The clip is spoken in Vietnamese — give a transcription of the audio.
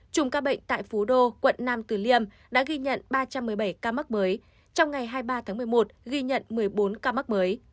chùm ca bệnh tại phú đô quận nam tử liêm đã ghi nhận ba trăm một mươi bảy ca mắc mới trong ngày hai mươi ba tháng một mươi một ghi nhận một mươi bốn ca mắc mới